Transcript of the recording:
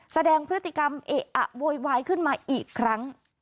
แสดงพฤติกรรมเอะอะโวยวายขึ้นมาอีกครั้ง